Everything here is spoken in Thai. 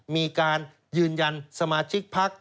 มีการยืนยันสมาชิกพัก